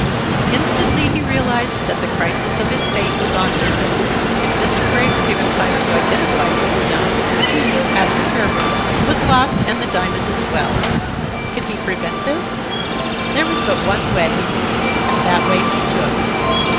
Instantly he realized that the crisis of his fate was on him. If Mr. Grey were given time to identify this stone, he, Abner Fairbrother, was lost and the diamond as well. Could he prevent this? There was but one way, and that way he took.